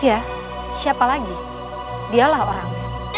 ya siapa lagi dialah orang